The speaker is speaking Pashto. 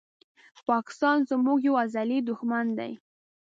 پاکستان زموږ یو ازلې دښمن دي